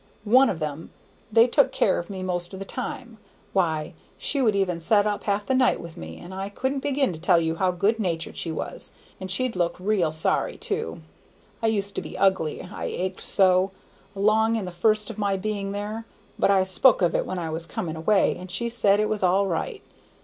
One of them, that took care of me most of the time, why, she would even set up half the night with me, and I couldn't begin to tell you how good natured she was, an' she'd look real sorry too. I used to be ugly, I ached so, along in the first of my being there, but I spoke of it when I was coming away, and she said it was all right.